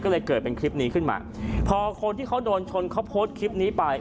ก็เลยเกิดเป็นคลิปนี้ขึ้นมาพอคนที่เขาโดนชนเขาโพสต์คลิปนี้ไป